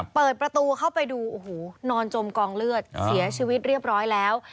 เปิดประตูเข้าไปดูโอ้โหนอนจมกองเลือดเสียชีวิตเรียบร้อยแล้ว